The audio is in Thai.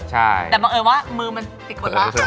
แต่บังเอิญว่ามือมันติดหมดแล้ว